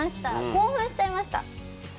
興奮しちゃいました。